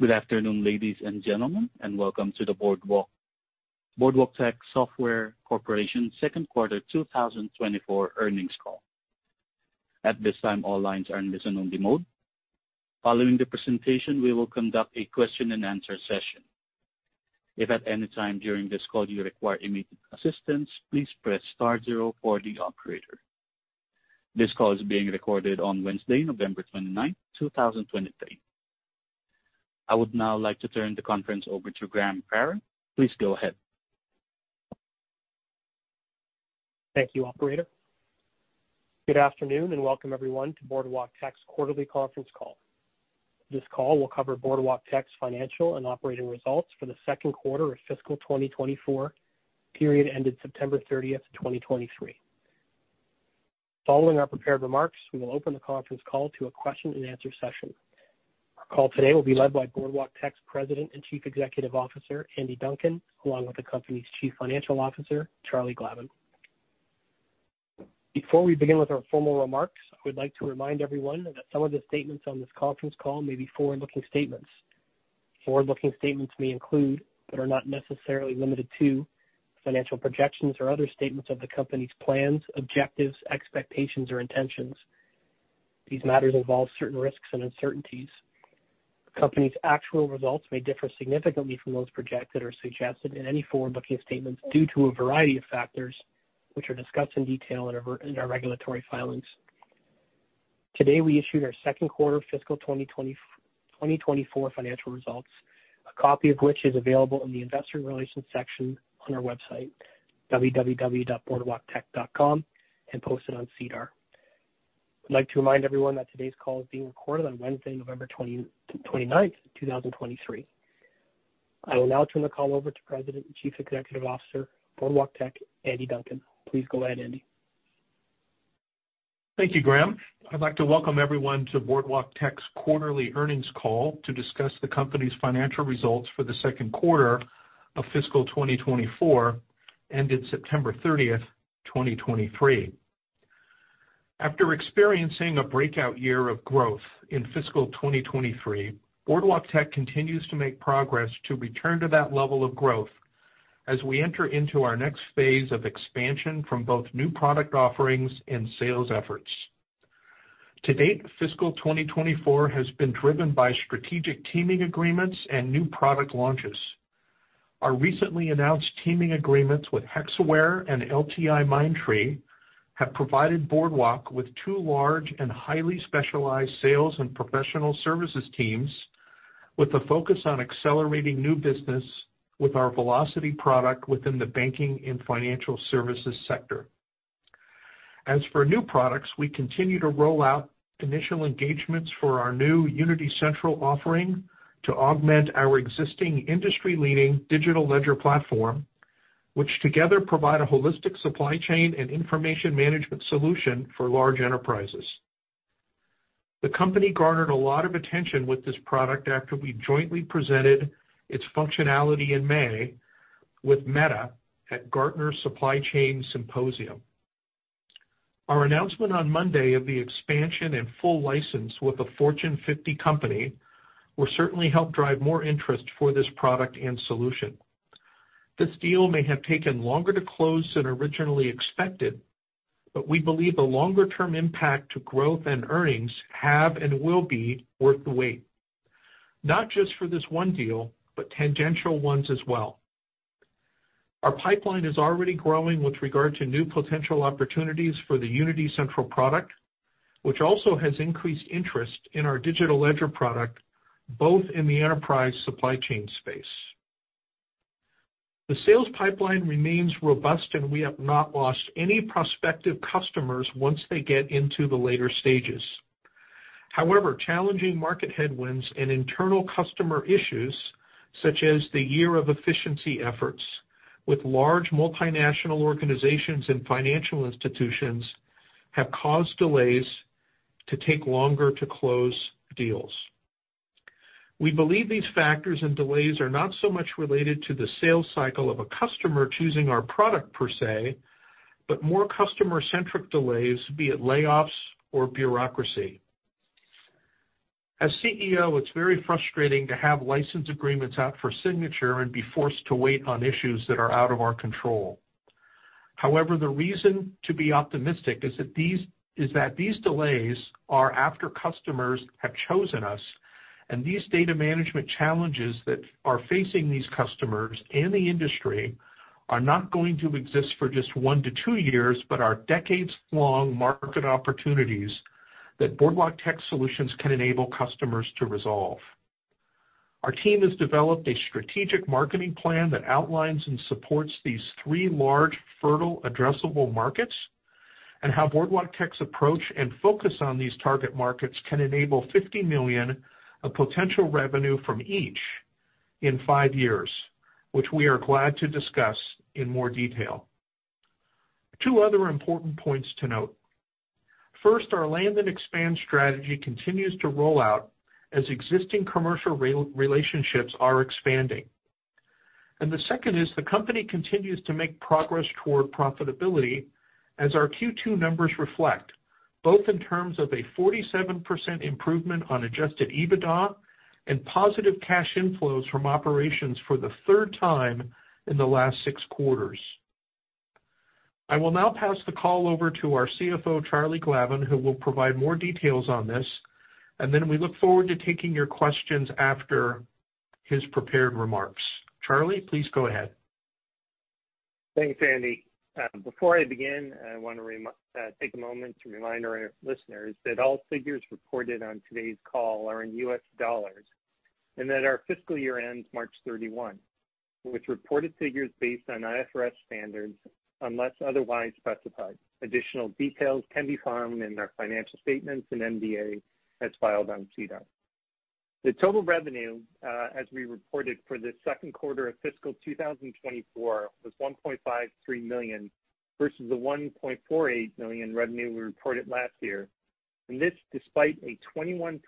Good afternoon, ladies and gentlemen, and welcome to the Boardwalktech Software Corporation second quarter 2024 earnings call. At this time, all lines are in listen-only mode. Following the presentation, we will conduct a question-and-answer session. If at any time during this call you require immediate assistance, please press star zero for the operator. This call is being recorded on Wednesday, November 29th, 2023. I would now like to turn the conference over to Graham Farrell. Please go ahead. Thank you, operator. Good afternoon, and welcome everyone to Boardwalktech's quarterly conference call. This call will cover Boardwalktech's financial and operating results for the second quarter of fiscal 2024, period ended September 30, 2023. Following our prepared remarks, we will open the conference call to a question-and-answer session. Our call today will be led by Boardwalktech's President and Chief Executive Officer, Andy Duncan, along with the company's Chief Financial Officer, Charlie Glavin. Before we begin with our formal remarks, I would like to remind everyone that some of the statements on this conference call may be forward-looking statements. Forward-looking statements may include, but are not necessarily limited to, financial projections or other statements of the company's plans, objectives, expectations, or intentions. These matters involve certain risks and uncertainties. The company's actual results may differ significantly from those projected or suggested in any forward-looking statements due to a variety of factors, which are discussed in detail in our regulatory filings. Today, we issued our second quarter fiscal 2024 financial results, a copy of which is available in the investor relations section on our website, www.boardwalktech.com, and posted on SEDAR. I'd like to remind everyone that today's call is being recorded on Wednesday, November 29, 2023. I will now turn the call over to President and Chief Executive Officer, Boardwalktech, Andy Duncan. Please go ahead, Andy. Thank you, Graham. I'd like to welcome everyone to Boardwalktech's quarterly earnings call to discuss the company's financial results for the second quarter of fiscal 2024, ended September 30, 2023. After experiencing a breakout year of growth in fiscal 2023, Boardwalktech continues to make progress to return to that level of growth as we enter into our next phase of expansion from both new product offerings and sales efforts. To date, fiscal 2024 has been driven by strategic teaming agreements and new product launches. Our recently announced teaming agreements with Hexaware and LTIMindtree have provided Boardwalktech with two large and highly specialized sales and professional services teams, with a focus on accelerating new business with our Velocity product within the banking and financial services sector. As for new products, we continue to roll out initial engagements for our new Unity Central offering to augment our existing industry-leading digital ledger platform, which together provide a holistic supply chain and information management solution for large enterprises. The company garnered a lot of attention with this product after we jointly presented its functionality in May with Meta at Gartner's Supply Chain Symposium. Our announcement on Monday of the expansion and full license with a Fortune 50 company will certainly help drive more interest for this product and solution. This deal may have taken longer to close than originally expected, but we believe the longer-term impact to growth and earnings have and will be worth the wait, not just for this one deal, but tangential ones as well. Our pipeline is already growing with regard to new potential opportunities for the Unity Central product, which also has increased interest in our Digital Ledger product, both in the enterprise supply chain space. The sales pipeline remains robust, and we have not lost any prospective customers once they get into the later stages. However, challenging market headwinds and internal customer issues, such as the year of efficiency efforts with large multinational organizations and financial institutions, have caused delays to take longer to close deals. We believe these factors and delays are not so much related to the sales cycle of a customer choosing our product per se, but more customer-centric delays, be it layoffs or bureaucracy. As CEO, it's very frustrating to have license agreements out for signature and be forced to wait on issues that are out of our control. However, the reason to be optimistic is that these delays are after customers have chosen us, and these data management challenges that are facing these customers and the industry are not going to exist for just one to two years, but are decades-long market opportunities that Boardwalktech solutions can enable customers to resolve. Our team has developed a strategic marketing plan that outlines and supports these three large, fertile, addressable markets and how Boardwalktech's approach and focus on these target markets can enable $50 million of potential revenue from each in five years, which we are glad to discuss in more detail. Two other important points to note. First, our land and expand strategy continues to roll out as existing commercial relationships are expanding.... The second is the company continues to make progress toward profitability as our Q2 numbers reflect, both in terms of a 47% improvement on adjusted EBITDA and positive cash inflows from operations for the third time in the last six quarters. I will now pass the call over to our CFO, Charlie Glavin, who will provide more details on this, and then we look forward to taking your questions after his prepared remarks. Charlie, please go ahead. Thanks, Andy. Before I begin, I want to take a moment to remind our listeners that all figures reported on today's call are in U.S. dollars, and that our fiscal year ends March 31, with reported figures based on IFRS standards unless otherwise specified. Additional details can be found in our financial statements and MD&A, as filed on SEDAR. The total revenue as we reported for the second quarter of fiscal 2024 was $1.53 million, versus the $1.48 million revenue we reported last year, and this despite a 21%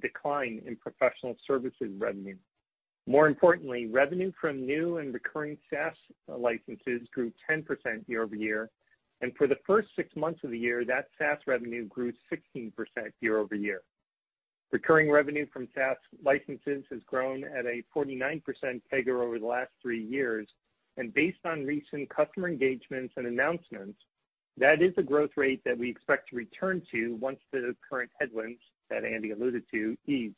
decline in professional services revenue. More importantly, revenue from new and recurring SaaS licenses grew 10% year-over-year, and for the first six months of the year, that SaaS revenue grew 16% year-over-year. Recurring revenue from SaaS licenses has grown at a 49% CAGR over the last three years, and based on recent customer engagements and announcements, that is a growth rate that we expect to return to once the current headwinds, that Andy alluded to, ease.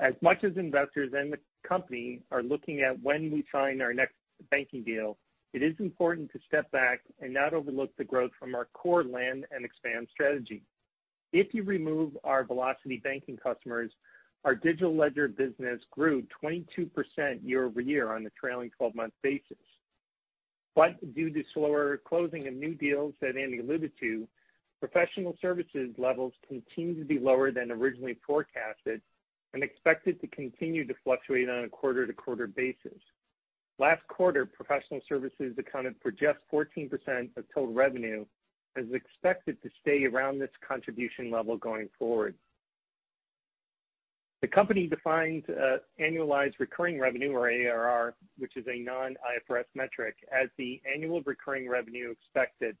As much as investors and the company are looking at when we sign our next banking deal, it is important to step back and not overlook the growth from our core land and expand strategy. If you remove our Velocity banking customers, our digital ledger business grew 22% year-over-year on a trailing 12-month basis. But due to slower closing of new deals that Andy alluded to, professional services levels continue to be lower than originally forecasted and expected to continue to fluctuate on a quarter-to-quarter basis. Last quarter, professional services accounted for just 14% of total revenue, as expected to stay around this contribution level going forward. The company defines annualized recurring revenue or ARR, which is a non-IFRS metric, as the annual recurring revenue expected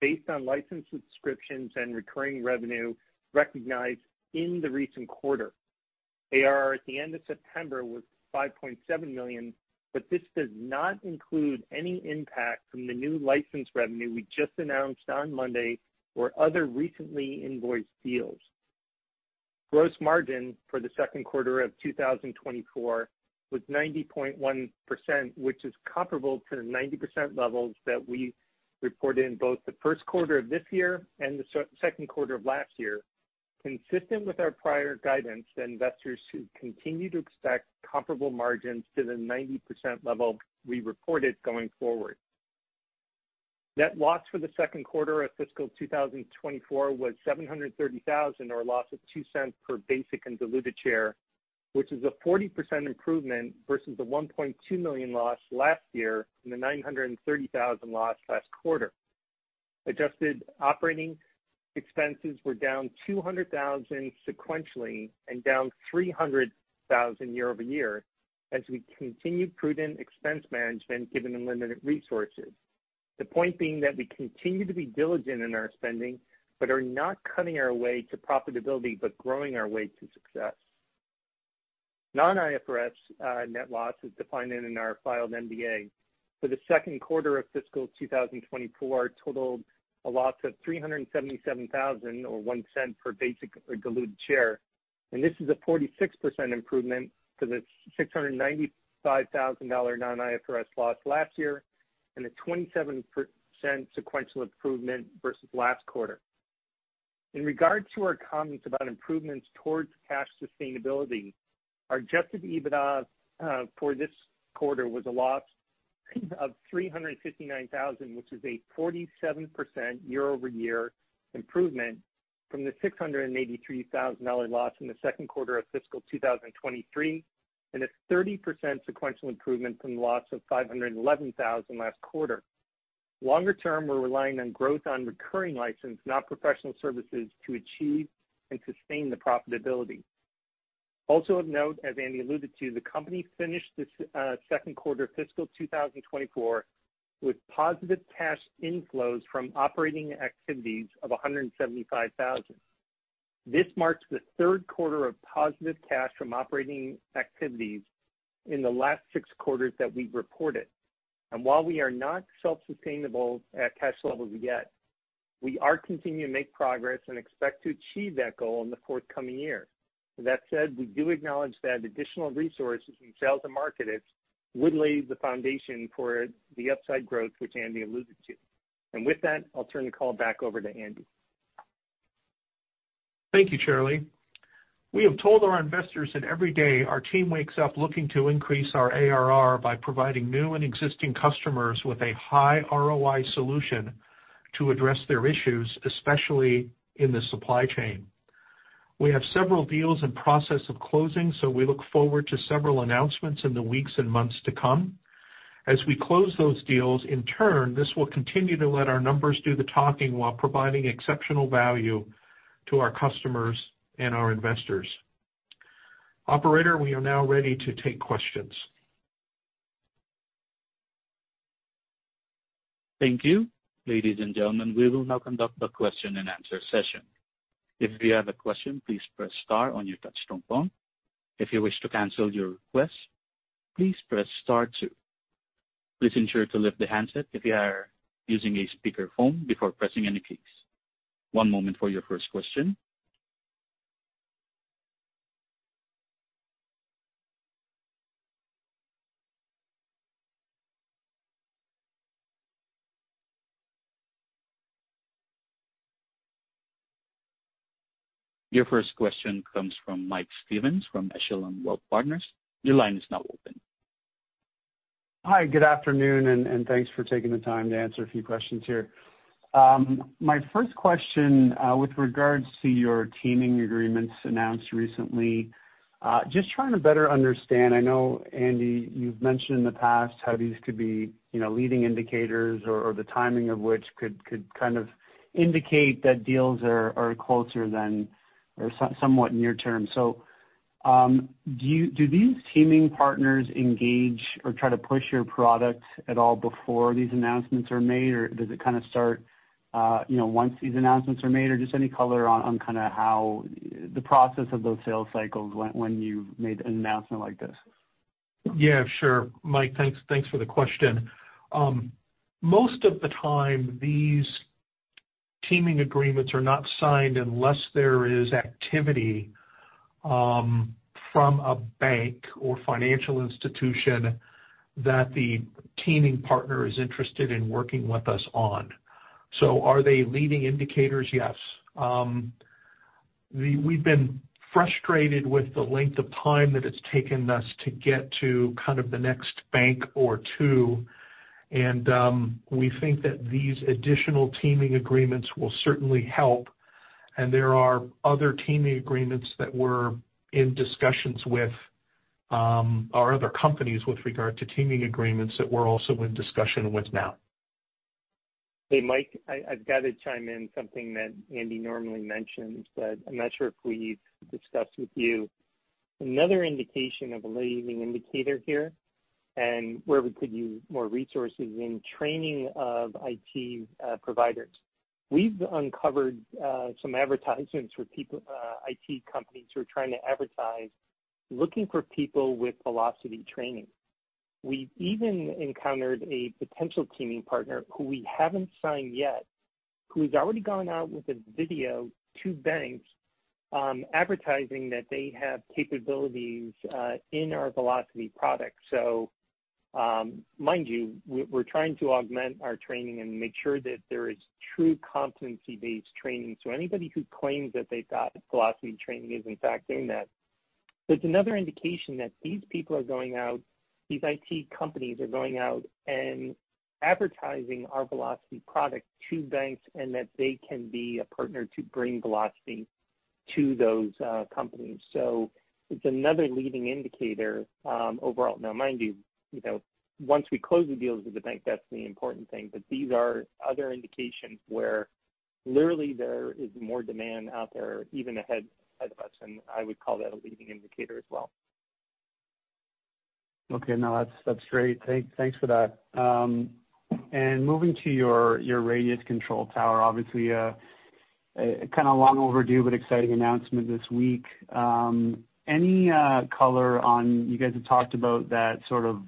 based on license subscriptions and recurring revenue recognized in the recent quarter. ARR at the end of September was $5.7 million, but this does not include any impact from the new license revenue we just announced on Monday or other recently invoiced deals. Gross margin for the second quarter of 2024 was 90.1%, which is comparable to the 90% levels that we reported in both the first quarter of this year and the second quarter of last year. Consistent with our prior guidance, the investors should continue to expect comparable margins to the 90% level we reported going forward. Net loss for the second quarter of fiscal 2024 was $730,000, or a loss of $0.02 per basic and diluted share, which is a 40% improvement versus the $1.2 million loss last year and the $930,000 loss last quarter. Adjusted operating expenses were down $200,000 sequentially and down $300,000 year-over-year as we continued prudent expense management given the limited resources. The point being that we continue to be diligent in our spending, but are not cutting our way to profitability, but growing our way to success. Non-IFRS net loss is defined in our filed MD&A. For the second quarter of fiscal 2024 totaled a loss of $377,000 or $0.01 per basic diluted share, and this is a 46% improvement to the $695,000 non-IFRS loss last year and a 27% sequential improvement versus last quarter. In regard to our comments about improvements towards cash sustainability, our adjusted EBITDA for this quarter was a loss of $359,000, which is a 47% year-over-year improvement from the $683,000 loss in the second quarter of fiscal 2023, and a 30% sequential improvement from the loss of $511,000 last quarter. Longer term, we're relying on growth on recurring license, not professional services, to achieve and sustain the profitability. Also of note, as Andy alluded to, the company finished this second quarter fiscal 2024 with positive cash inflows from operating activities of $175,000. This marks the third quarter of positive cash from operating activities in the last six quarters that we've reported. And while we are not self-sustainable at cash levels yet, we are continuing to make progress and expect to achieve that goal in the forthcoming year. With that said, we do acknowledge that additional resources in sales and marketing would lay the foundation for the upside growth, which Andy alluded to. And with that, I'll turn the call back over to Andy. Thank you, Charlie. We have told our investors that every day our team wakes up looking to increase our ARR by providing new and existing customers with a high ROI solution to address their issues, especially in the supply chain. We have several deals in process of closing, so we look forward to several announcements in the weeks and months to come. As we close those deals, in turn, this will continue to let our numbers do the talking while providing exceptional value to our customers and our investors. Operator, we are now ready to take questions. Thank you. Ladies and gentlemen, we will now conduct a question-and-answer session. If you have a question, please press star on your touchtone phone. If you wish to cancel your request, please press star two. Please ensure to lift the handset if you are using a speakerphone before pressing any keys. One moment for your first question. Your first question comes from Mike Stevens from Echelon Wealth Partners. Your line is now open. Hi, good afternoon, and thanks for taking the time to answer a few questions here. My first question, with regards to your teaming agreements announced recently, just trying to better understand. I know, Andy, you've mentioned in the past how these could be, you know, leading indicators or the timing of which could kind of indicate that deals are closer than or somewhat near term. So, do these teaming partners engage or try to push your product at all before these announcements are made, or does it kind of start, you know, once these announcements are made? Or just any color on kind of how the process of those sales cycles went when you've made an announcement like this. Yeah, sure. Mike, thanks, thanks for the question. Most of the time, these teaming agreements are not signed unless there is activity from a bank or financial institution that the teaming partner is interested in working with us on. So are they leading indicators? Yes. We've been frustrated with the length of time that it's taken us to get to kind of the next bank or two, and we think that these additional teaming agreements will certainly help. And there are other teaming agreements that we're in discussions with, or other companies with regard to teaming agreements that we're also in discussion with now. Hey, Mike, I, I've got to chime in something that Andy normally mentions, but I'm not sure if we've discussed with you. Another indication of a leading indicator here and where we could use more resources in training of IT providers. We've uncovered some advertisements for people, IT companies who are trying to advertise, looking for people with Velocity training. We've even encountered a potential teaming partner, who we haven't signed yet, who's already gone out with a video to banks, advertising that they have capabilities in our Velocity product. So, mind you, we're, we're trying to augment our training and make sure that there is true competency-based training. So anybody who claims that they've got Velocity training is, in fact, doing that. So it's another indication that these people are going out, these IT companies are going out and advertising our Velocity product to banks, and that they can be a partner to bring Velocity to those companies. So it's another leading indicator, overall. Now, mind you, you know, once we close the deals with the bank, that's the important thing. But these are other indications where literally there is more demand out there, even ahead, ahead of us, and I would call that a leading indicator as well. Okay. No, that's great. Thanks for that. And moving to your Radiance Control Tower, obviously a kind of long overdue but exciting announcement this week. Any color on... You guys have talked about that sort of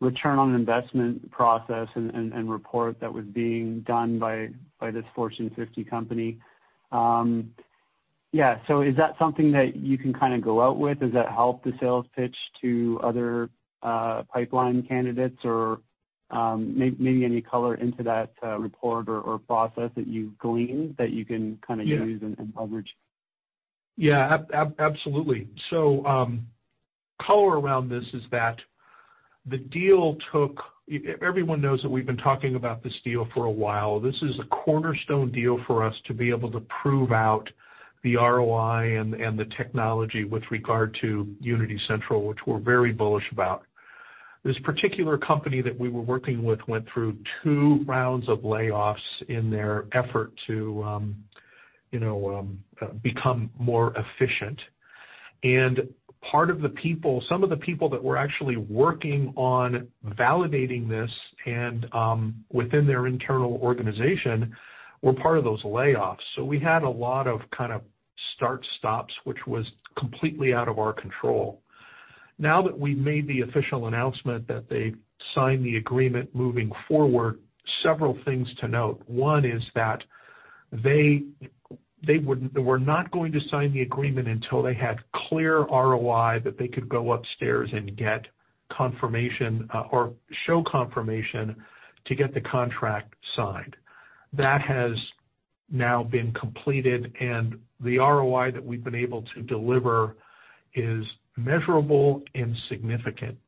return on investment process and report that was being done by this Fortune 50 company. Yeah, so is that something that you can kind of go out with? Does that help the sales pitch to other pipeline candidates? Or maybe any color into that report or process that you've gleaned that you can kind of use- Yeah. - and leverage? Yeah. Absolutely. So, color around this is that the deal took -- everyone knows that we've been talking about this deal for a while. This is a cornerstone deal for us to be able to prove out the ROI and the technology with regard to Unity Central, which we're very bullish about. This particular company that we were working with went through two rounds of layoffs in their effort to, you know, become more efficient. And some of the people that were actually working on validating this and within their internal organization, were part of those layoffs. So we had a lot of kind of start-stops, which was completely out of our control. Now that we've made the official announcement that they've signed the agreement moving forward, several things to note. One is that they were not going to sign the agreement until they had clear ROI, that they could go upstairs and get confirmation or show confirmation to get the contract signed. That has now been completed, and the ROI that we've been able to deliver is measurable and significant.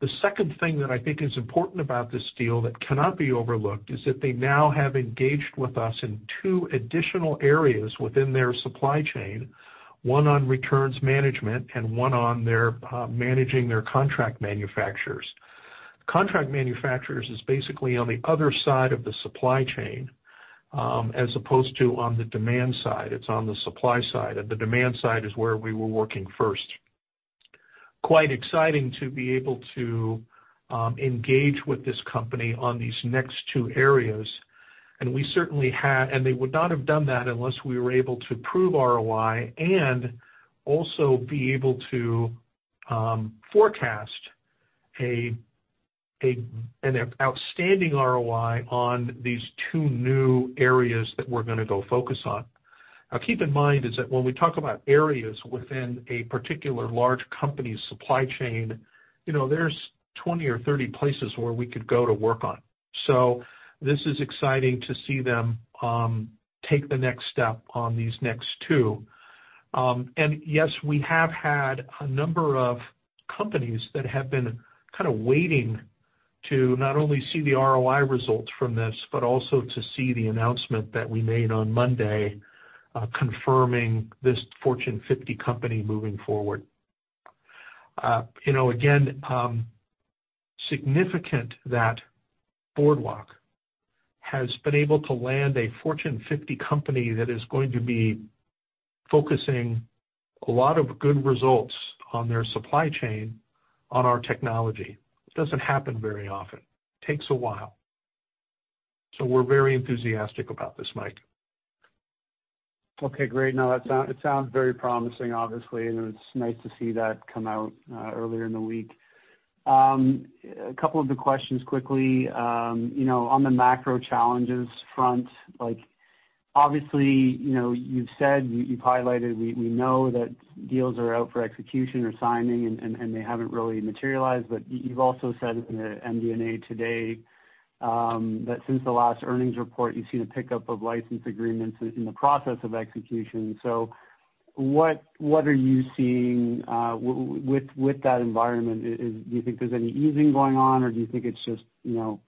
The second thing that I think is important about this deal that cannot be overlooked is that they now have engaged with us in two additional areas within their supply chain.... one on returns management and one on their managing their contract manufacturers. Contract manufacturers is basically on the other side of the supply chain, as opposed to on the demand side. It's on the supply side, and the demand side is where we were working first. Quite exciting to be able to engage with this company on these next two areas, and we certainly have- and they would not have done that unless we were able to prove ROI and also be able to forecast an outstanding ROI on these two new areas that we're gonna go focus on. Now, keep in mind, is that when we talk about areas within a particular large company's supply chain, you know, there's 20 or 30 places where we could go to work on. So this is exciting to see them take the next step on these next two. And yes, we have had a number of companies that have been kind of waiting to not only see the ROI results from this, but also to see the announcement that we made on Monday, confirming this Fortune 50 company moving forward. You know, again, significant that Boardwalk has been able to land a Fortune 50 company that is going to be focusing a lot of good results on their supply chain on our technology. It doesn't happen very often. Takes a while. So we're very enthusiastic about this, Mike. Okay, great. Now, that sounds very promising, obviously, and it's nice to see that come out earlier in the week. A couple of the questions quickly. You know, on the macro challenges front, like, obviously, you know, you've said, you've highlighted, we know that deals are out for execution or signing, and they haven't really materialized. But you've also said in the MD&A today, that since the last earnings report, you've seen a pickup of license agreements in the process of execution. So what are you seeing with that environment? Do you think there's any easing going on, or do you think it's just, you know,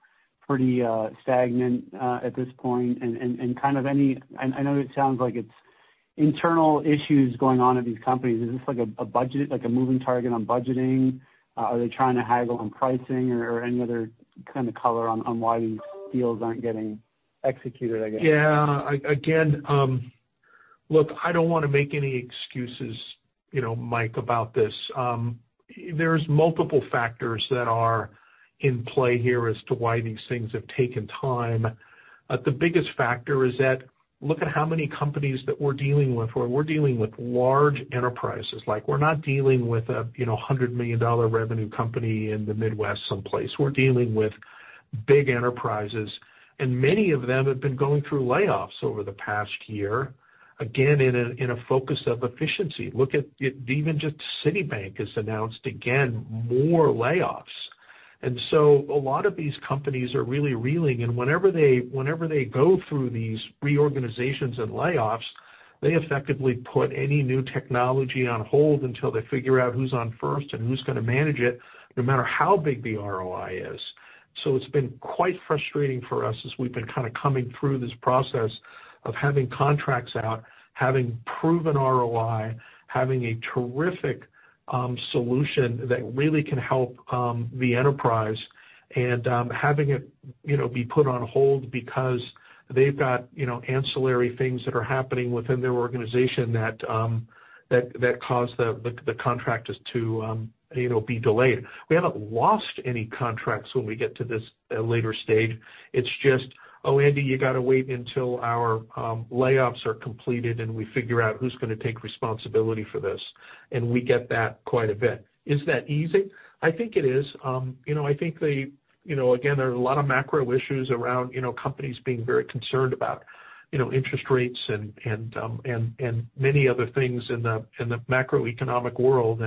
pretty stagnant at this point? And kind of any... I know it sounds like it's internal issues going on at these companies. Is this like a budget, like a moving target on budgeting? Are they trying to haggle on pricing or any other kind of color on why these deals aren't getting executed, I guess? Yeah. Again, look, I don't wanna make any excuses, you know, Mike, about this. There's multiple factors that are in play here as to why these things have taken time. The biggest factor is that look at how many companies that we're dealing with, where we're dealing with large enterprises. Like, we're not dealing with a, you know, $100 million revenue company in the Midwest someplace. We're dealing with big enterprises, and many of them have been going through layoffs over the past year, again, in a focus of efficiency. Look at even just Citibank has announced, again, more layoffs. And so a lot of these companies are really reeling, and whenever they, whenever they go through these reorganizations and layoffs, they effectively put any new technology on hold until they figure out who's on first and who's gonna manage it, no matter how big the ROI is. So it's been quite frustrating for us as we've been kind of coming through this process of having contracts out, having proven ROI, having a terrific solution that really can help the enterprise, and having it, you know, be put on hold because they've got, you know, ancillary things that are happening within their organization that that cause the the contractors to you know be delayed. We haven't lost any contracts when we get to this later stage. It's just, "Oh, Andy, you gotta wait until our layoffs are completed, and we figure out who's gonna take responsibility for this," and we get that quite a bit. Is that easy? I think it is. You know, I think they, you know, again, there are a lot of macro issues around, you know, companies being very concerned about, you know, interest rates and many other things in the macroeconomic world.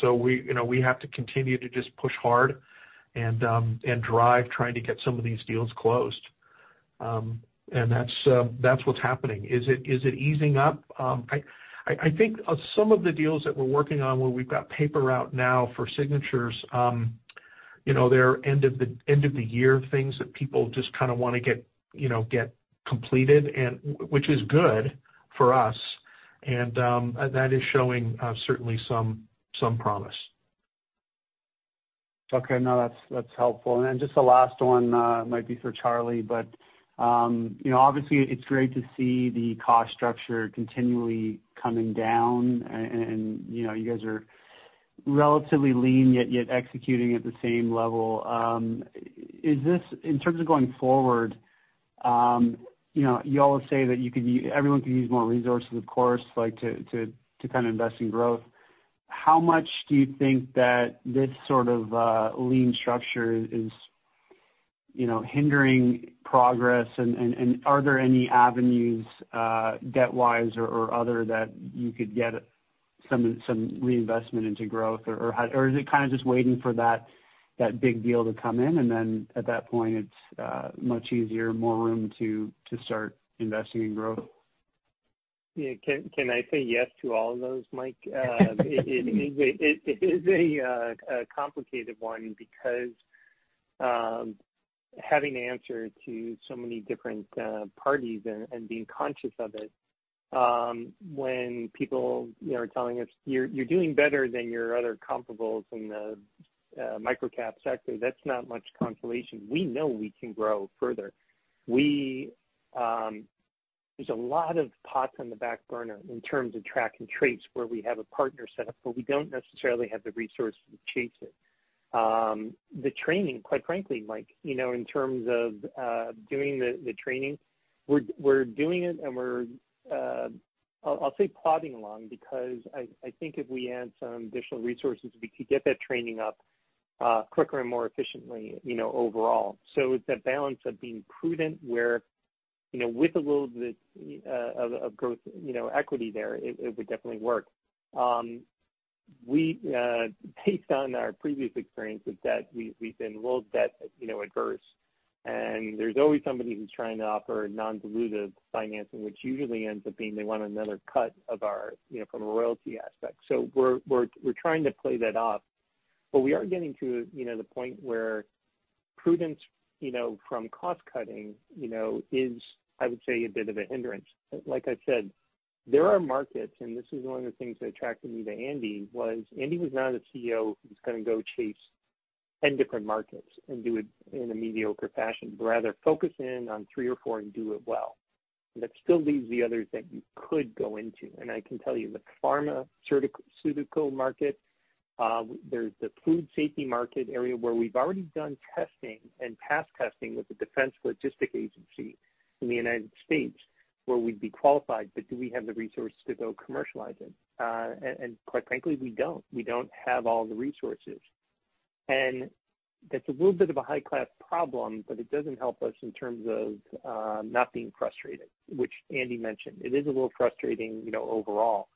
So we, you know, we have to continue to just push hard and drive, trying to get some of these deals closed. And that's, that's what's happening. Is it, is it easing up? I think some of the deals that we're working on, where we've got paper out now for signatures, you know, they're end of the year things that people just kind of want to get, you know, get completed, and which is good for us, and that is showing certainly some promise. Okay. No, that's, that's helpful. And then just the last one might be for Charlie, but you know, obviously, it's great to see the cost structure continually coming down. And you know, you guys are relatively lean, yet executing at the same level. Is this, in terms of going forward, you know, you all say that you could everyone could use more resources, of course, like to kind of invest in growth. How much do you think that this sort of lean structure is, you know, hindering progress? And are there any avenues, debt-wise or other that you could get some reinvestment into growth? Or is it kind of just waiting for that big deal to come in, and then at that point, it's much easier, more room to start investing in growth? Yeah. Can I say yes to all of those, Mike? It is a complicated one because having to answer to so many different parties and being conscious of it when people, you know, are telling us, "You're doing better than your other comparables in the microcap sector," that's not much consolation. We know we can grow further. There's a lot of pots on the back burner in terms of track and trace, where we have a partner set up, but we don't necessarily have the resources to chase it. The training, quite frankly, Mike, you know, in terms of doing the training, we're doing it and we're, I'll say, plodding along, because I think if we add some additional resources, we could get that training up quicker and more efficiently, you know, overall. So it's that balance of being prudent where, you know, with a little bit of growth, you know, equity there, it would definitely work. We, based on our previous experience with debt, we've been a little debt averse, and there's always somebody who's trying to offer non-dilutive financing, which usually ends up being they want another cut of our, you know, from a royalty aspect. So we're trying to play that off, but we are getting to, you know, the point where prudence, you know, from cost cutting, you know, is, I would say, a bit of a hindrance. Like I said, there are markets, and this is one of the things that attracted me to Andy, was Andy was not a CEO who's gonna go chase 10 different markets and do it in a mediocre fashion, but rather focus in on three or four and do it well. That still leaves the others that you could go into. And I can tell you, the pharmaceutical market, there's the food safety market area where we've already done testing and passed testing with the Defense Logistics Agency in the United States, where we'd be qualified, but do we have the resources to go commercialize it? And quite frankly, we don't. We don't have all the resources. And that's a little bit of a high-class problem, but it doesn't help us in terms of not being frustrated, which Andy mentioned. It is a little frustrating, you know, overall,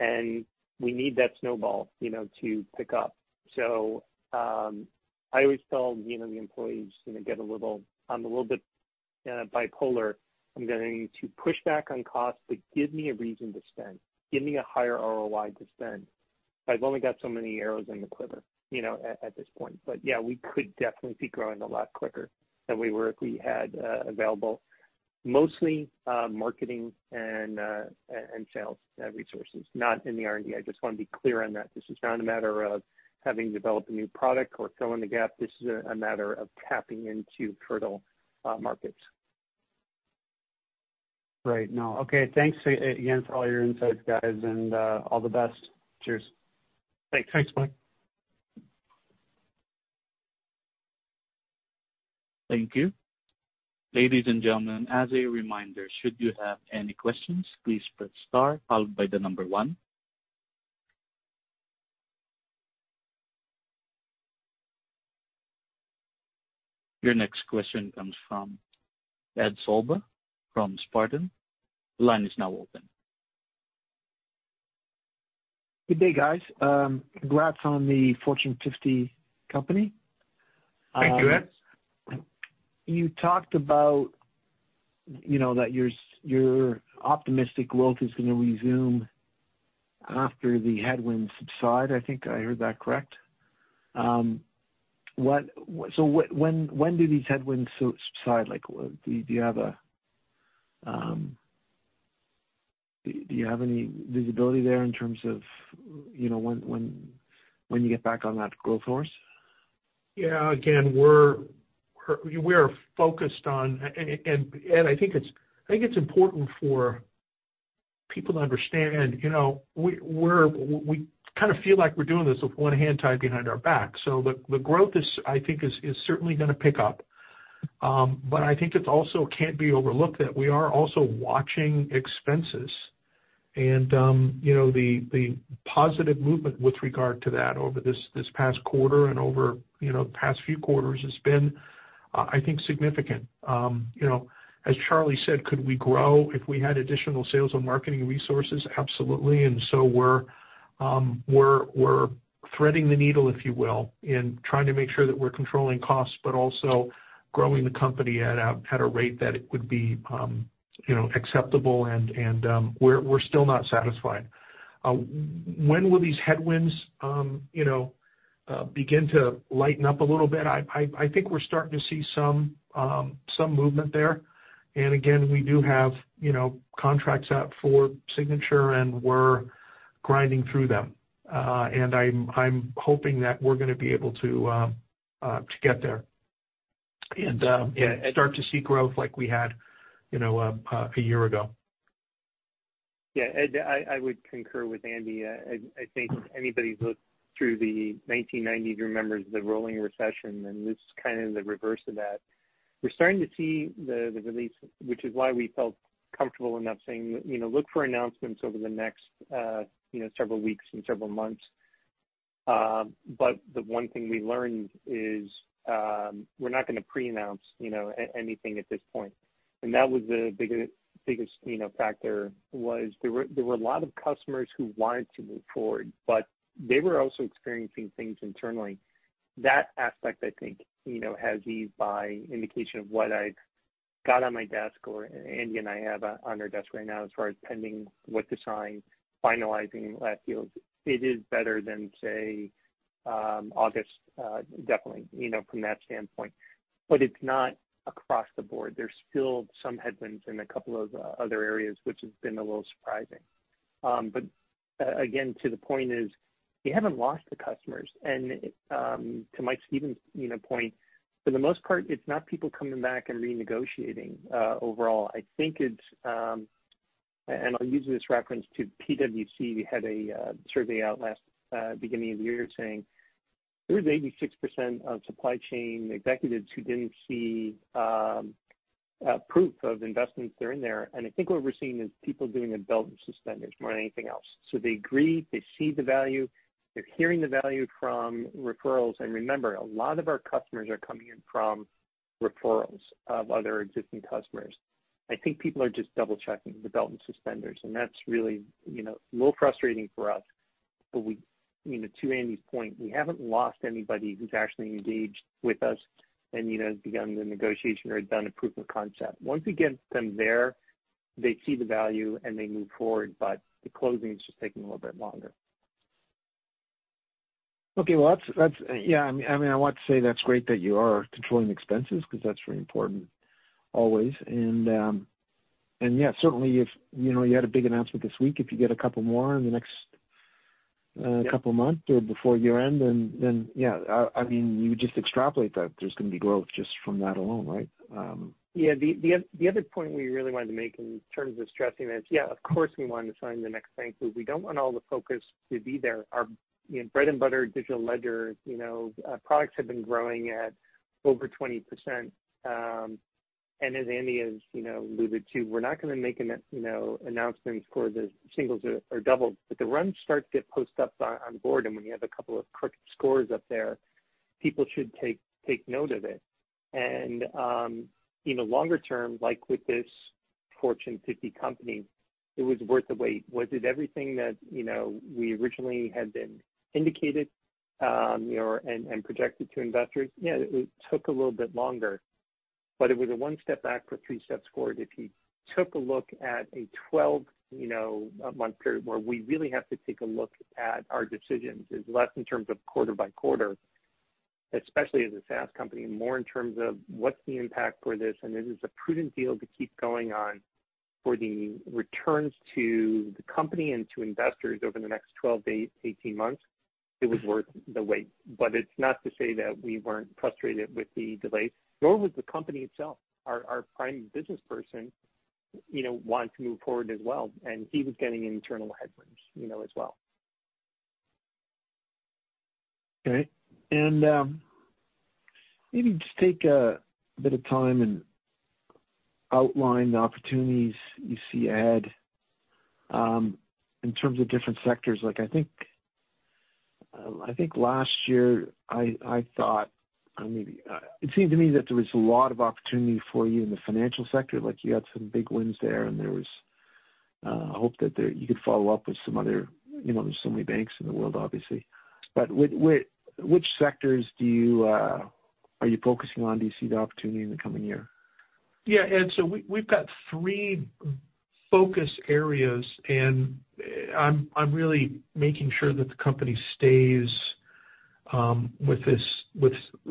and we need that snowball, you know, to pick up. So, I always tell, you know, the employees, you know, get a little... I'm a little bit bipolar. I'm going to push back on costs, but give me a reason to spend. Give me a higher ROI to spend. I've only got so many arrows in the quiver, you know, at this point. But yeah, we could definitely be growing a lot quicker than we were if we had available, mostly, marketing and sales resources, not in the R&D. I just wanna be clear on that. This is not a matter of having to develop a new product or fill in the gap. This is a matter of tapping into fertile markets. Right. No. Okay, thanks again for all your insights, guys, and all the best. Cheers. Thanks. Thanks, Mike. Thank you. Ladies and gentlemen, as a reminder, should you have any questions, please press star followed by the number one. Your next question comes from Ed Sollbach, from Spartan. The line is now open. Good day, guys. Congrats on the Fortune 50 company. Thank you, Ed. You talked about, you know, that you're optimistic growth is gonna resume after the headwinds subside. I think I heard that correct. What, so when, when do these headwinds subside? Like, do you have any visibility there in terms of, you know, when you get back on that growth course? Yeah. Again, we're focused on... Ed, I think it's important for people to understand, you know, we kind of feel like we're doing this with one hand tied behind our back. So the growth is, I think, certainly gonna pick up. But I think it also can't be overlooked, that we are also watching expenses and, you know, the positive movement with regard to that over this past quarter and over the past few quarters has been, I think, significant. You know, as Charlie said, could we grow if we had additional sales and marketing resources? Absolutely. And so we're threading the needle, if you will, in trying to make sure that we're controlling costs, but also growing the company at a rate that it would be, you know, acceptable and we're still not satisfied. When will these headwinds, you know, begin to lighten up a little bit? I think we're starting to see some movement there. And again, we do have, you know, contracts out for signature, and we're grinding through them. And I'm hoping that we're gonna be able to get there. And yeah, start to see growth like we had, you know, a year ago. Yeah, Ed, I, I would concur with Andy. I think if anybody's looked through the 1990s, remembers the rolling recession, then this is kind of the reverse of that. We're starting to see the release, which is why we felt comfortable enough saying, you know, look for announcements over the next, you know, several weeks and several months. But the one thing we learned is, we're not gonna preannounce, you know, anything at this point. And that was the biggest, biggest, you know, factor, was there were, there were a lot of customers who wanted to move forward, but they were also experiencing things internally. That aspect, I think, you know, has eased by indication of what I've-... got on my desk, or Andy and I have on our desk right now, as far as pending, what to sign, finalizing last deals, it is better than, say, August, definitely, you know, from that standpoint. But it's not across the board. There's still some headwinds in a couple of other areas, which has been a little surprising. But again, to the point is, we haven't lost the customers. And to Mike Stevens, you know, point, for the most part, it's not people coming back and renegotiating overall. I think it's, and I'll use this reference to PwC, we had a survey out last beginning of the year saying there was 86% of supply chain executives who didn't see proof of investments that are in there. I think what we're seeing is people doing a belt and suspenders more than anything else. So they agree, they see the value, they're hearing the value from referrals. And remember, a lot of our customers are coming in from referrals of other existing customers. I think people are just double-checking the belt and suspenders, and that's really, you know, a little frustrating for us. But we, you know, to Andy's point, we haven't lost anybody who's actually engaged with us and, you know, begun the negotiation or done a proof of concept. Once we get them there, they see the value and they move forward, but the closing is just taking a little bit longer. Okay, well, that's-- Yeah, I mean, I want to say that's great that you are controlling expenses, because that's very important always. And, and yeah, certainly if, you know, you had a big announcement this week, if you get a couple more in the next, Yeah... couple of months or before year-end, then, yeah, I mean, you just extrapolate that there's gonna be growth just from that alone, right? Yeah. The other point we really wanted to make in terms of stressing is, yeah, of course, we want to sign the next bank, but we don't want all the focus to be there. Our, you know, bread and butter digital ledger, you know, products have been growing at over 20%. And as Andy has, you know, alluded to, we're not gonna make an, you know, announcements for the singles or doubles, but the run starts to get post ups on board, and when you have a couple of quick scores up there, people should take note of it. And, you know, longer term, like with this Fortune 50 company, it was worth the wait. Was it everything that, you know, we originally had been indicated, you know, and projected to investors? Yeah, it took a little bit longer, but it was a one step back or three steps forward. If you took a look at a 12, you know, month period, where we really have to take a look at our decisions, is less in terms of quarter by quarter, especially as a SaaS company, more in terms of what's the impact for this, and is it a prudent deal to keep going on for the returns to the company and to investors over the next 12 to 18 months, it was worth the wait. But it's not to say that we weren't frustrated with the delays, nor was the company itself. Our prime business person, you know, wanted to move forward as well, and he was getting internal headwinds, you know, as well. Okay. And maybe just take a bit of time and outline the opportunities you see ahead in terms of different sectors. Like, I think, I think last year I, I thought, I mean, it seemed to me that there was a lot of opportunity for you in the financial sector. Like, you had some big wins there, and there was hope that there you could follow up with some other, you know, there's so many banks in the world, obviously. But which, which sectors do you are you focusing on, do you see the opportunity in the coming year? Yeah, Ed, so we've got three focus areas, and I'm really making sure that the company stays with this,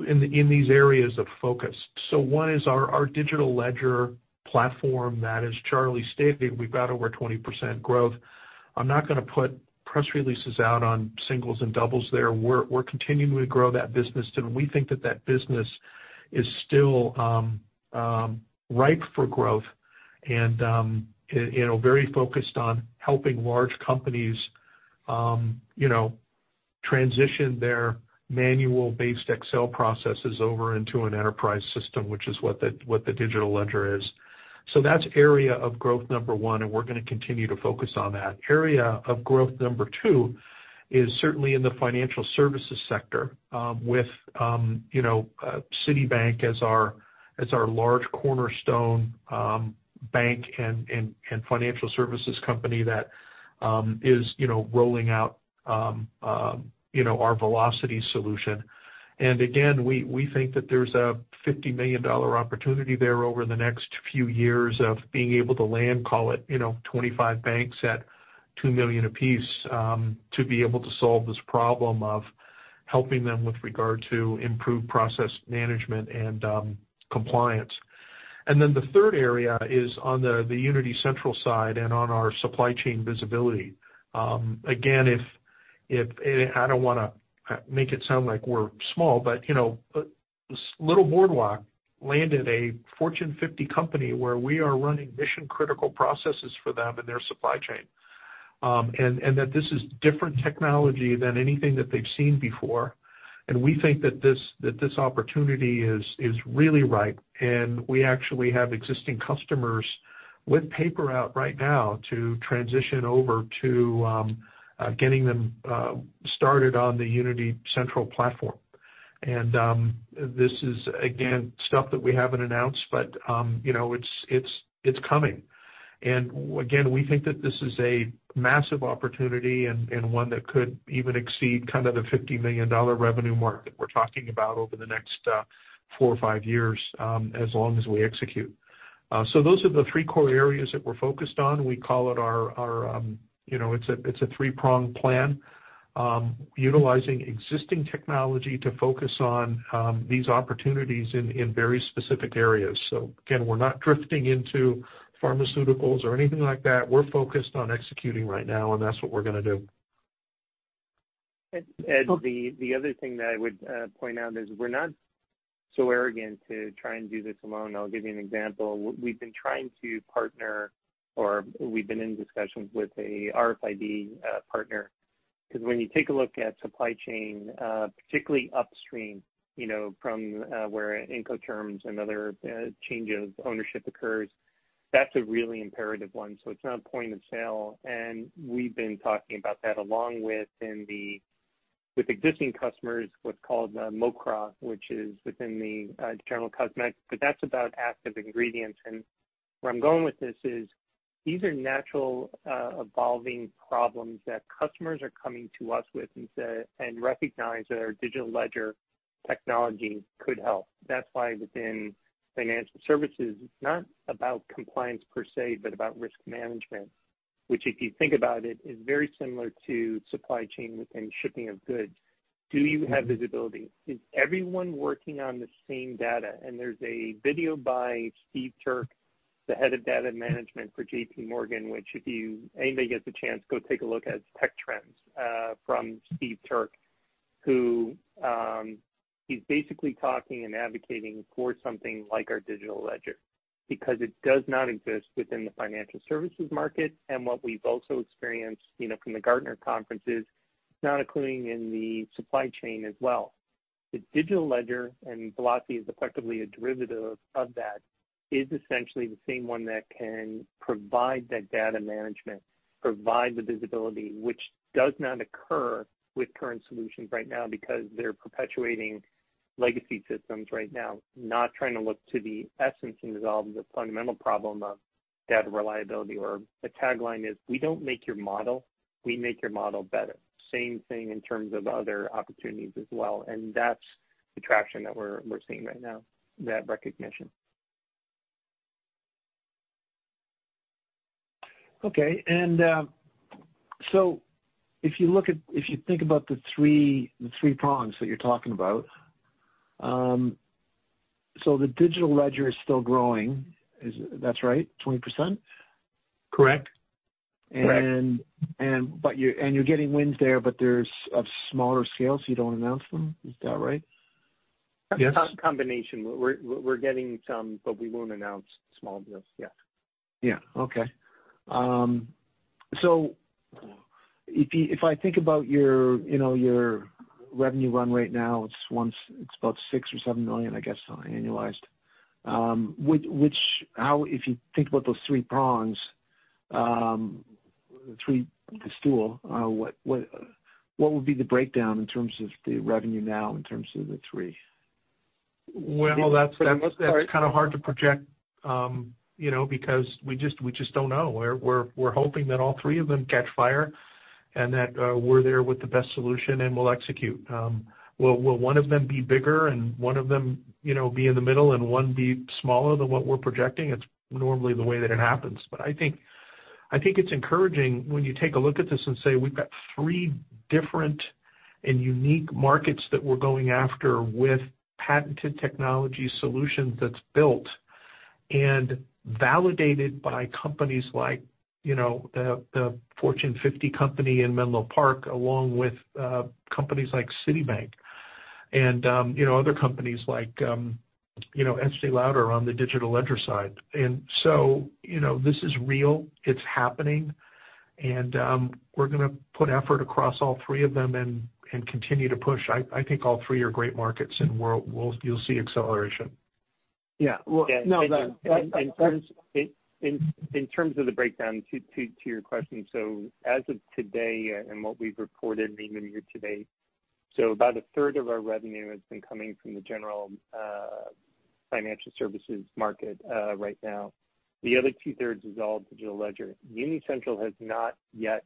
in these areas of focus. So one is our digital ledger platform. That is, as Charlie stated, we've got over 20% growth. I'm not gonna put press releases out on singles and doubles there. We're continuing to grow that business, and we think that that business is still ripe for growth and, you know, very focused on helping large companies, you know, transition their manual-based Excel processes over into an enterprise system, which is what the digital ledger is. So that's area of growth number one, and we're gonna continue to focus on that. Area of growth number two is certainly in the financial services sector, with, you know, Citibank as our, as our large cornerstone, bank and, and, and financial services company that, is, you know, rolling out, our Velocity solution. And again, we, we think that there's a $50 million opportunity there over the next few years of being able to land, call it, you know, 25 banks at $2 million apiece, to be able to solve this problem of helping them with regard to improved process management and, compliance. And then the third area is on the, the Unity Central side and on our supply chain visibility. Again, if I don't wanna make it sound like we're small, but, you know, little Boardwalk landed a Fortune 50 company where we are running mission-critical processes for them in their supply chain. And that this is different technology than anything that they've seen before. And we think that this opportunity is really ripe. And we actually have existing customers with RFP out right now to transition over to getting them started on the Unity Central platform. And this is, again, stuff that we haven't announced, but you know, it's coming. Again, we think that this is a massive opportunity and one that could even exceed kind of the $50 million revenue mark that we're talking about over the next four or five years, as long as we execute. So those are the three core areas that we're focused on. We call it our you know, it's a three-pronged plan, utilizing existing technology to focus on these opportunities in very specific areas. So again, we're not drifting into pharmaceuticals or anything like that. We're focused on executing right now, and that's what we're gonna do. And Ed, the other thing that I would point out is we're not so arrogant to try and do this alone. I'll give you an example. We've been trying to partner, or we've been in discussions with an RFID partner, 'cause when you take a look at supply chain, particularly upstream, you know, from where Incoterms and other change of ownership occurs, that's a really imperative one. So it's not a point of sale, and we've been talking about that along with with existing customers, what's called MOCRA, which is within the general cosmetic, but that's about active ingredients. And where I'm going with this is, these are natural evolving problems that customers are coming to us with and say, and recognize that our digital ledger technology could help. That's why within financial services, it's not about compliance per se, but about risk management, which, if you think about it, is very similar to supply chain within shipping of goods. Do you have visibility? Is everyone working on the same data? And there's a video by Steve Turk, the head of data management for JPMorgan, which, if anybody gets a chance, go take a look at tech trends from Steve Turk, who, he's basically talking and advocating for something like our digital ledger because it does not exist within the financial services market. And what we've also experienced, you know, from the Gartner conference is, it's not occurring in the supply chain as well. The Digital Ledger and Velocity is effectively a derivative of that, is essentially the same one that can provide that data management, provide the visibility, which does not occur with current solutions right now because they're perpetuating legacy systems right now, not trying to look to the essence and resolve the fundamental problem of data reliability or the tagline is: We don't make your model, we make your model better. Same thing in terms of other opportunities as well, and that's the traction that we're seeing right now, that recognition. Okay, and, so if you look at-- if you think about the three, the three prongs that you're talking about, so the digital ledger is still growing. Is... That's right, 20%? Correct. Correct. You're getting wins there, but they're of smaller scale, so you don't announce them. Is that right? Yes. Combination. We're, we're getting some, but we won't announce small deals. Yeah. Yeah. Okay. So if you -- if I think about your, you know, your revenue run right now, it's about $6-$7 million, I guess, annualized. Which, how, if you think about those three prongs, three, the stool, what would be the breakdown in terms of the revenue now, in terms of the three? Well, that's kind of hard to project, you know, because we just don't know. We're hoping that all three of them catch fire and that we're there with the best solution and we'll execute. Will one of them be bigger and one of them, you know, be in the middle and one be smaller than what we're projecting? It's normally the way that it happens, but I think it's encouraging when you take a look at this and say: We've got three different and unique markets that we're going after with patented technology solutions that's built and validated by companies like, you know, the Fortune 50 company in Menlo Park, along with companies like Citibank and, you know, other companies like Estée Lauder on the digital ledger side. So, you know, this is real, it's happening, and we're gonna put effort across all three of them and continue to push. I think all three are great markets, and we'll, you'll see acceleration. Yeah. Well, no, that- In terms of the breakdown, to your question, so as of today and what we've reported in the year to date, so about a third of our revenue has been coming from the general financial services market right now. The other two thirds is all digital ledger. Unity Central has not yet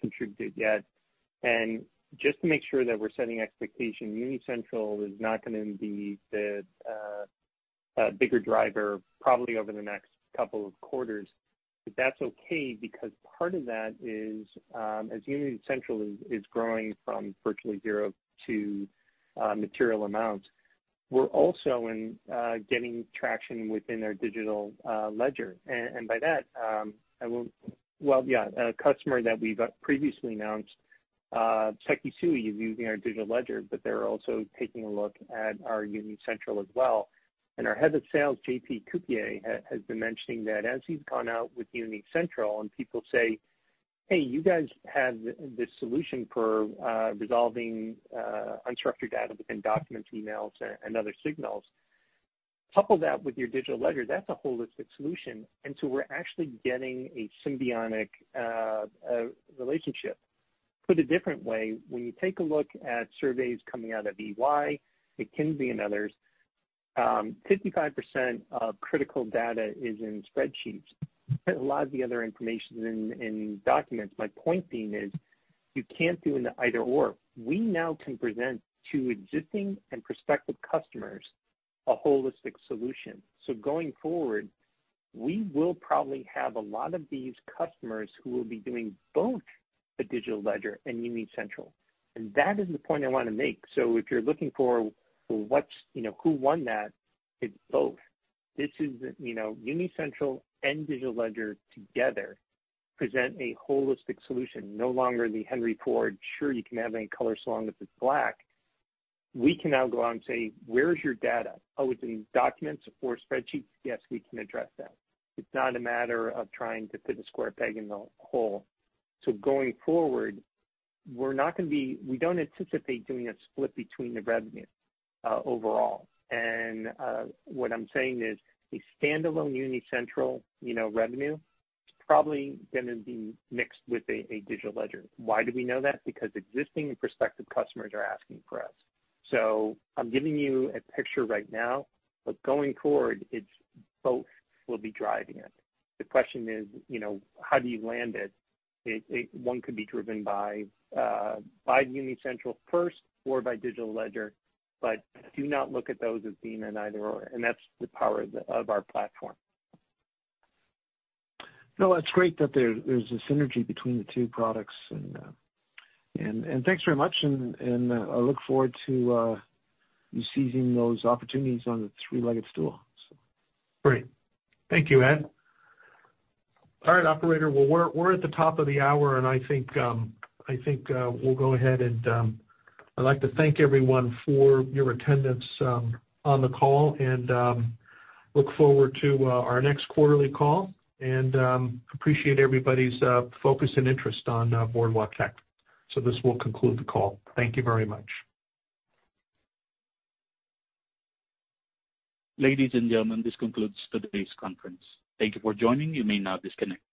contributed yet. And just to make sure that we're setting expectation, Unity Central is not gonna be the bigger driver probably over the next couple of quarters. But that's okay because part of that is, as Unity Central is growing from virtually zero to material amounts, we're also getting traction within our digital ledger. And by that, I will... Well, yeah, a customer that we've previously announced, Sekisui, is using our digital ledger, but they're also taking a look at our Unity Central as well. And our head of sales, JP Kuipier, has been mentioning that as he's gone out with Unity Central and people say, "Hey, you guys have the solution for resolving unstructured data within documents, emails, and other signals. Couple that with your digital ledger, that's a holistic solution." And so we're actually getting a symbiotic relationship. Put a different way, when you take a look at surveys coming out of EY, McKinsey and others, 55% of critical data is in spreadsheets. A lot of the other information is in documents. My point being is, you can't do an either/or. We now can present to existing and prospective customers a holistic solution. So going forward, we will probably have a lot of these customers who will be doing both the Digital Ledger and Unity Central, and that is the point I wanna make. So if you're looking for what's, you know, who won that, it's both. This is, you know, Unity Central and Digital Ledger together present a holistic solution. No longer the Henry Ford, "Sure, you can have any color, so long as it's black." We can now go out and say, "Where is your data? Oh, it's in documents or spreadsheets? Yes, we can address that." It's not a matter of trying to fit a square peg in the hole. So going forward, we're not gonna be -- we don't anticipate doing a split between the revenue, overall. And, what I'm saying is, a standalone Unity Central, you know, revenue, it's probably gonna be mixed with a, a Digital Ledger. Why do we know that? Because existing and prospective customers are asking for us. So I'm giving you a picture right now, but going forward, it's both will be driving it. The question is, you know, how do you land it? It – one could be driven by Unity Central first or by Digital Ledger, but do not look at those as being an either/or, and that's the power of our platform. No, that's great that there's a synergy between the two products. And thanks very much, I look forward to you seizing those opportunities on the three-legged stool, so. Great. Thank you, Ed. All right, operator, well, we're at the top of the hour, and I think we'll go ahead and... I'd like to thank everyone for your attendance on the call, and look forward to our next quarterly call, and appreciate everybody's focus and interest on Boardwalktech. So this will conclude the call. Thank you very much. Ladies and gentlemen, this concludes today's conference. Thank you for joining. You may now disconnect.